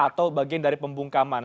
atau bagian dari pembungkaman